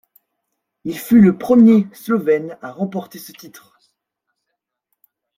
Il fut le premier Slovène à remporter ce titre.